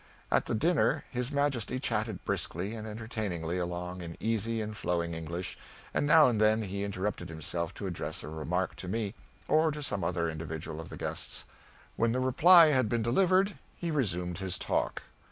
At the dinner his Majesty chatted briskly and entertainingly along in easy and flowing English, and now and then he interrupted himself to address a remark to me, or to some other individual of the guests. When the reply had been delivered, he resumed his talk.